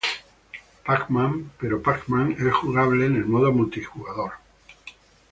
Pac-Man, pero Pac-Man es jugable en el modo multijugador.